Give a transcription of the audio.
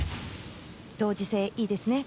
同時性、いいですね。